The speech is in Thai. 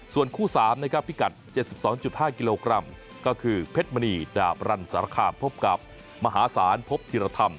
ส่วนคู่๓นะครับพิกัด๗๒๕กิโลกรัมก็คือเพชรมณีดาบรันสารคามพบกับมหาศาลพบธิรธรรม